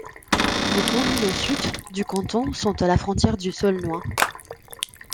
Les communes au sud du canton sont à la frontière du Saulnois.